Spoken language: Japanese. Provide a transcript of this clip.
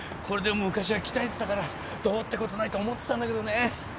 これでも昔は鍛えてたからどうってことないと思ってたんだけどね。